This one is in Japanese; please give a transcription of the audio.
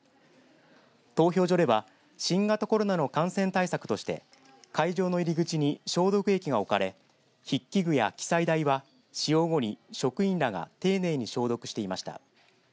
投票所では新型コロナの感染対策として会場の入り口に消毒液が置かれ筆記具や記載台は使用後に職員らが丁寧に消毒していました。